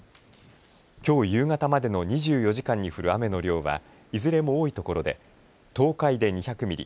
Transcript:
きょう夕方までの２４時間に降る雨の量はいずれも多いところで東海で２００ミリ